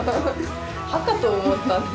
歯かと思ったんですけど。